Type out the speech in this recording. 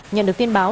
nhận được tin báo